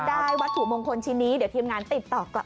ได้วัตถุมงคลชินีเดี๋ยวทีมงานติดต่อกล่ะ